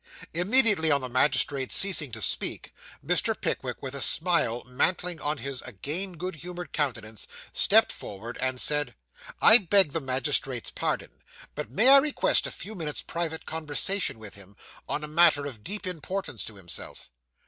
Immediately on the magistrate ceasing to speak, Mr. Pickwick, with a smile mantling on his again good humoured countenance, stepped forward, and said 'I beg the magistrate's pardon, but may I request a few minutes' private conversation with him, on a matter of deep importance to himself?